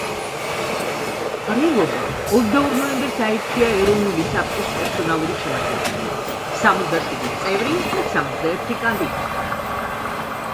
ყრილობამ ოცდაორ ნოემბერს აირჩია ეროვნული საბჭოს პერსონალური შემადგენლობა - სამოცდაშვიდი წევრი და სამოცდაერთი კანდიდატი.